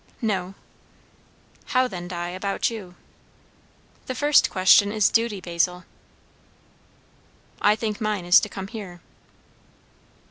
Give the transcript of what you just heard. "No." "How, then, Di, about you? "The first question is duty, Basil." "I think mine is to come here."